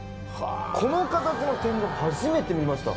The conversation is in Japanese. この形の天丼初めて見ました。